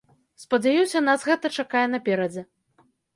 Спадзяюся, нас гэта чакае наперадзе.